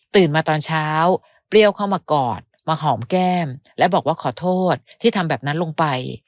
มาตอนเช้าเปรี้ยวเข้ามากอดมาหอมแก้มและบอกว่าขอโทษที่ทำแบบนั้นลงไป